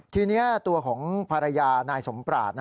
ทีนี้ตัวของภรรยานายสมปราศ